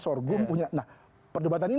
sorghum punya nah perdebatan ini